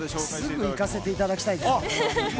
すぐ行かせていただきます。